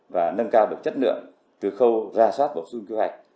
và nâng cao được chất lượng từ khâu ra soát bổ sung kế hoạch